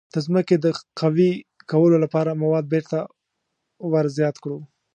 د ځمکې د قوي کولو لپاره مواد بیرته ور زیات کړو.